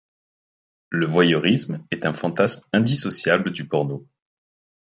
Le voyeurisme est un fantasme indissociable du porno.